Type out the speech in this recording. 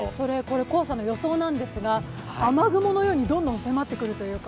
黄砂の予想ですが、雨雲のようにどんどん迫ってくるというか。